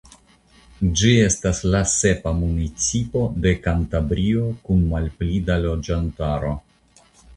Ĝi estas la sepa municipo de Kantabrio kun malpli da loĝantaro.